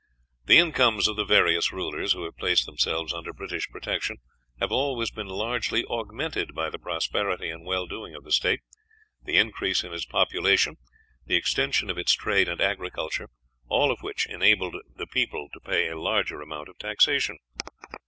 The incomes of the various rulers who have placed themselves under British protection have always been largely augmented by the prosperity and well doing of the state, the increase in its population, the extension of its trade and agriculture, all of which enabled the people to pay a larger amount of taxation.